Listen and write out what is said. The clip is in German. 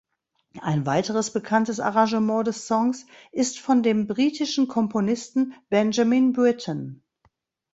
Ein weiteres bekanntes Arrangement des Songs ist von dem britischen Komponisten Benjamin Britten.